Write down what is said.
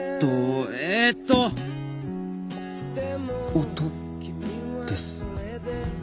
お音です。